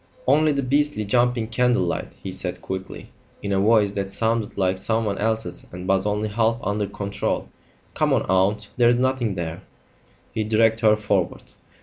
"Only the beastly jumping candle light," he said quickly, in a voice that sounded like someone else's and was only half under control. "Come on, aunt. There's nothing there." He dragged her forward.